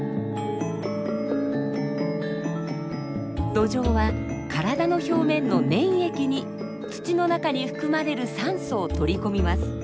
ドジョウは体の表面の粘液に土の中に含まれる酸素を取り込みます。